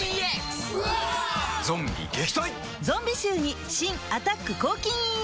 ゾンビ臭に新「アタック抗菌ＥＸ」